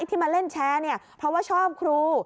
ที่มาเล่นแชร์เนี่ยเพราะว่าชอบครู